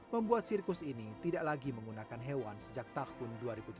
membuat sirkus ini tidak lagi menggunakan hewan sejak tahun dua ribu tujuh belas